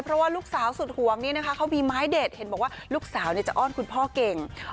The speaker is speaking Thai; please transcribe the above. เพราะว่าลูกสาวสุดห่วงนี้นะคะเขามีไม้เด็ดเห็นบอกว่าลูกสาวจะอ้อนคุณพ่อเก่ง